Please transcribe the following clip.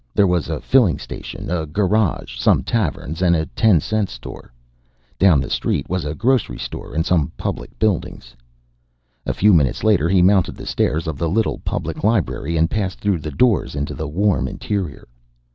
There was a filling station, a garage, some taverns, and a ten cent store. Down the street was a grocery store and some public buildings. A few minutes later he mounted the stairs of the little public library and passed through the doors into the warm interior.